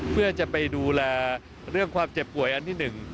เพื่อจะไปดูแลเรื่องความเจ็บป่วยอันที่๑